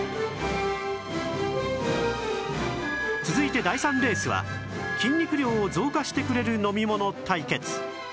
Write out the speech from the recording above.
続いて第３レースは筋肉量を増加してくれる飲み物対決